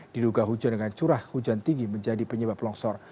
diduga hujan dengan curah hujan tinggi menjadi penyebab longsor